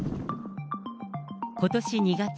ことし２月。